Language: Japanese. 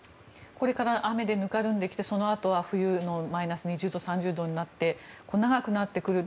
これから雨でぬかるんできてそのあと冬になってマイナス２０度、３０度になって長くなってくる。